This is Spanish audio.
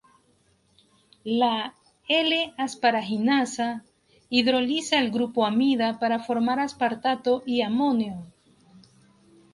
La L-asparaginasa hidroliza al grupo amida para formar aspartato y amonio.